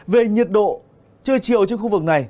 về nhiệt độ chưa chiều trên khu vực này